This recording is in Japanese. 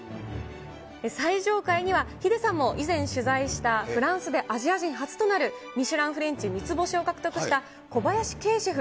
最上階には、ヒデさんも以前取材したフランスでアジア人初となるミシュランフレンチ３つ星を獲得した、小林圭シェフ